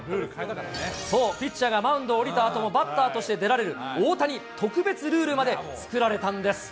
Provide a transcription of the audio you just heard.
そう、ピッチャーがマウンドを降りたあとも、バッターとして出られる、大谷特別ルールまで作られたんです。